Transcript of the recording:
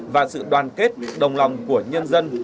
và sự đoàn kết đồng lòng của nhân dân